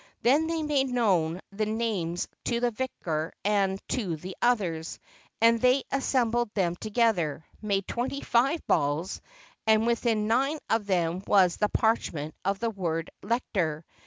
Then they made known the names to the vicar and to the others; and they assembled them together, and made twenty five balls, and within nine of them was the parchment with the word "Lec tor."